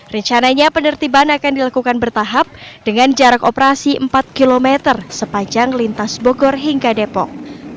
rencananya penertiban akan dilakukan bertahap dengan jarak operasi empat km sepanjang lintas bogor hingga depok